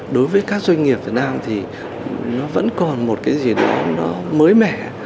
đối với các doanh nghiệp việt nam thì nó vẫn còn một cái gì đó nó mới mẻ